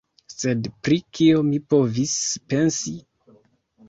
Sed pri kio mi povis pensi?